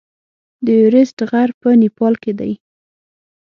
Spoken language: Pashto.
د ایورسټ غر په نیپال کې دی.